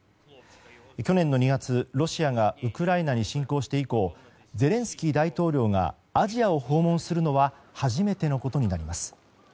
去年の２月、ロシアがウクライナに侵攻して以降ゼレンスキー大統領がアジアを訪問するのは初めてのことになります。